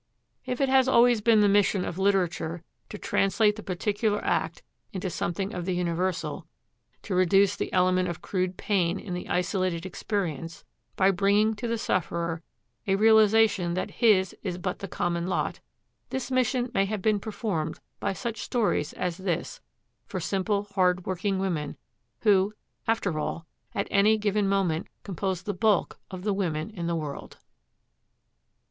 If it has always been the mission of literature to translate the particular act into something of the universal, to reduce the element of crude pain in the isolated experience by bringing to the sufferer a realization that his is but the common lot, this mission may have been performed by such stories as this for simple hard working women, who, after all, at any given moment compose the bulk of the women in the world.